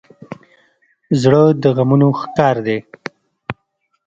زړه د غمونو ښکار دی.